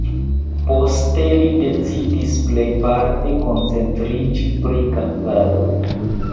Poste li decidis plejparte koncentriĝi pri kantado.